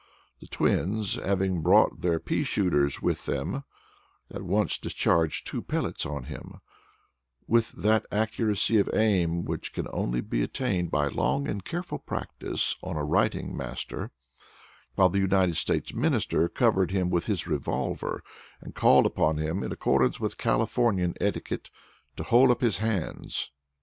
The twins, having brought their pea shooters with them, at once discharged two pellets on him, with that accuracy of aim which can only be attained by long and careful practice on a writing master, while the United States Minister covered him with his revolver, and called upon him, in accordance with Californian etiquette, to hold up his hands!